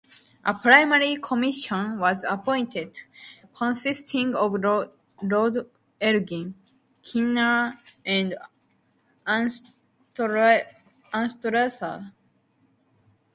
A parliamentary commission was appointed, consisting of Lords Elgin, Kinnear and Anstruther.